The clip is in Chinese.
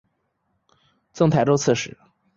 赠台州刺史。